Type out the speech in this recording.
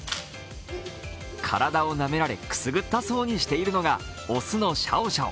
体をなめられくすぐったそうにしているのが雄のシャオシャオ。